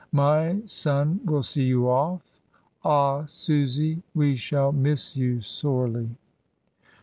My son will see you off. Ah! Susy, we shall miss you sorely."